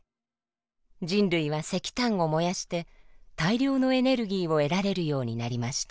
人類は石炭を燃やして大量のエネルギーを得られるようになりました。